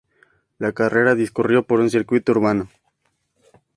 La carrera discurrió por un circuito urbano.